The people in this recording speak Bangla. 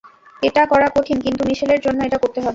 এটা করা কঠিন কিন্তু মিশেলের জন্য এটা করতে হবে।